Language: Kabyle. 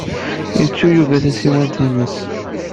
Yettu-d Yuba tasiwant-nnes.